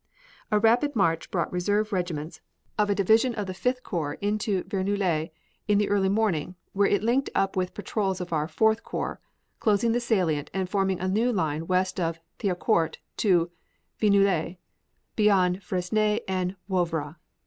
A rapid march brought reserve regiments of a division of the Fifth Corps into Vigneulles in the early morning, where it linked up with patrols of our Fourth Corps, closing the salient and forming a new line west of Thiaucourt to Vigneulles and beyond Fresnes en Woevre.